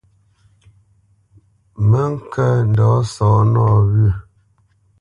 Mə ŋkə̄ ndɔ̌ sɔ̌ nɔwyə̂.